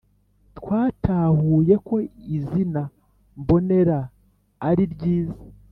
twatahuye ko Izina mbonera ari ryiza